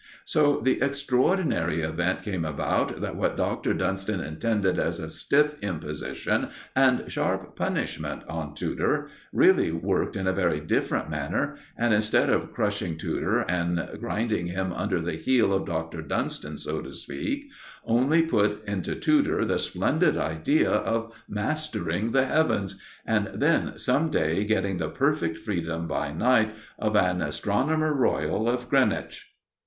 So the extraordinary event came about that what Dr. Dunston intended as a stiff imposition and sharp punishment on Tudor, really worked in a very different manner, and instead of crushing Tudor and grinding him under the heel of Dr. Dunston, so to speak, only put into Tudor the splendid idea of mastering the heavens, and then, some day, getting the perfect freedom by night of an Astronomer Royal of Greenwich.